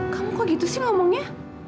kamu kok gitu sih ngomongnya